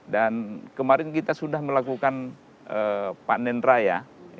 dan kemarin kita sudah melakukan panen raya